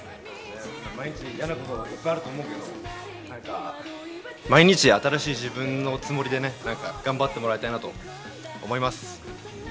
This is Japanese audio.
毎日、嫌なことがあると思うんですけれども、毎日新しい自分のつもりでね、頑張ってもらいたいなと思います。